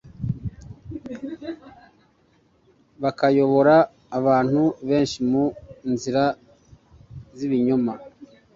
bakayobora abantu benshi mu nzira z'ibinyoma.